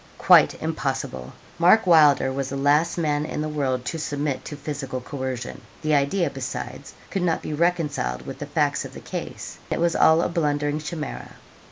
Quite impossible! Mark Wylder was the last man in the world to submit to physical coercion. The idea, besides, could not be reconciled with the facts of the case. It was all a blundering chimera.